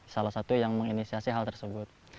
salah satu yang menginisiasi hal tersebut